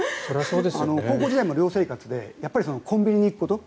高校時代も寮生活でコンビニに行くこと。